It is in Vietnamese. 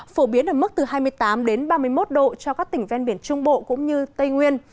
phổ biến ở mức từ hai mươi tám đến ba mươi một độ cho các tỉnh ven biển trung bộ cũng như tây nguyên